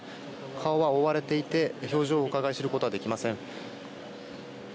顔は覆われていて表情をうかがい知ることはできません。